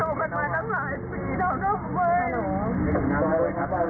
ก็อยากที่บ้านก็อยู่กับเขา